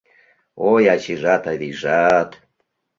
Ой, ачийжат-авийжат